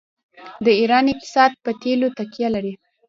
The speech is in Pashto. د ایران اقتصاد په تیلو تکیه لري.